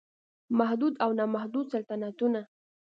محدود او نا محدود سلطنتونه